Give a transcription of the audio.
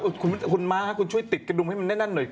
ถูกต้องนะครับคุณมากคุณช่วยติดกระดุมให้มันได้นั่นหน่อย